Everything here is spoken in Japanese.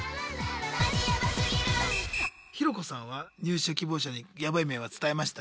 ヒロコさんは入社希望者にヤバい面は伝えました？